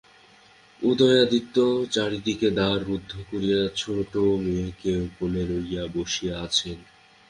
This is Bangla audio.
উদয়াদিত্য চারিদিকে দ্বার রুদ্ধ করিয়া ছোটো মেয়েকে কোলে লইয়া বসিয়া আছেন।